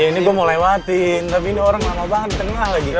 ini gue mau lewatin tapi ini orang lama banget tengah lagi